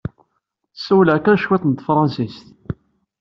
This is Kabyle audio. Ssawaleɣ kan cwiṭ n tefṛensist.